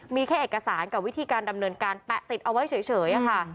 มีแค่เอกสารกับวิธีการดำเนินการแปะติดเอาไว้เฉยค่ะ